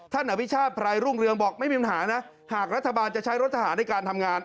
อภิชาติไพรรุ่งเรืองบอกไม่มีปัญหานะหากรัฐบาลจะใช้รถทหารในการทำงาน